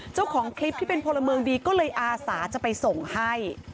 เจ้าของคลิปที่เป็นพลเมืองดีก็เลยอาสาจะไปส่งให้